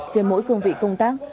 trên mỗi cương vị công tác